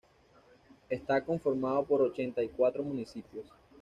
Está conformado por ochenta y cuatro municipios.